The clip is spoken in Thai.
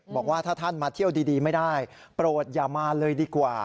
บอกว่าถ้าท่านมาเที่ยวดีไม่ได้โปรดอย่ามาเลยดีกว่า